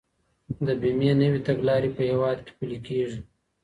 د بيمې نوي تګلارې په هيواد کي پلي کيږي.